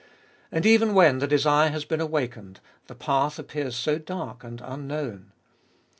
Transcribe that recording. And even when the desire has been awakened, the path appears so dark and unknown.